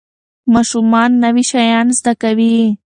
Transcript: ماشومان نوي شیان زده کوي.